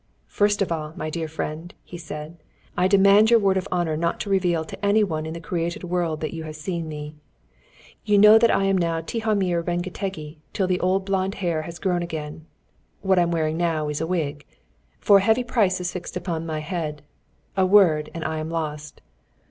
"First of all, my dear friend," said he, "I demand your word of honour not to reveal to any one in the created world that you have seen me. You know that I am now Tihamér Rengetegi till the old blonde hair grow again (what I'm wearing now is a wig); for a heavy price is fixed upon my head. A word, and I am lost.